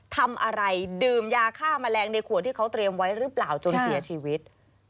ทำอะไรดื่มยาฆ่าแมลงในขวดที่เขาเตรียมไว้หรือเปล่าจนเสียชีวิต